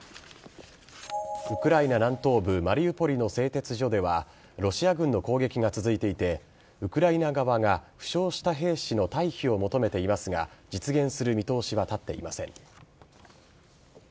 ウクライナ南東部マリウポリの製鉄所ではロシア軍の攻撃が続いていてウクライナ側が負傷した兵士の退避を求めていますが実現する見通しは立っていません。